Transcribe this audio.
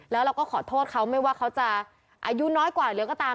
แล้วเราก็ขอโทษเขาไม่ว่าเขาจะอายุน้อยกว่าหรือก็ตาม